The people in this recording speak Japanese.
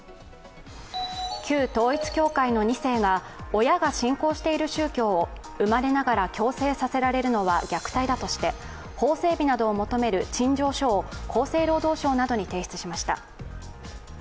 旧統一教会の２世が親が信仰している宗教を生まれながら強制させられるのは虐待だとして法整備などを求める陳情書を厚生労働省などに提出しました。